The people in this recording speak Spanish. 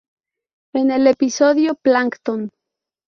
En el episodio "Plankton!